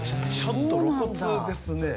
ちょっと露骨ですね。